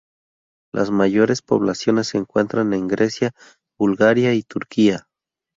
Las mayores poblaciones se encuentran en Grecia, Bulgaria y Turquía.